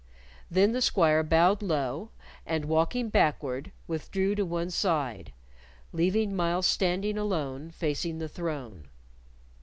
Then the squire bowed low, and walking backward withdrew to one side, leaving Myles standing alone facing the throne.